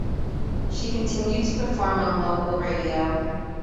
She continued to perform on local radio.